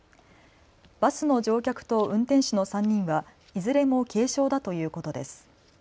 バスの乗客と運転手の３人はいずれも軽傷だということです。